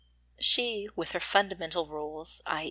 She with her fundamental rules, i.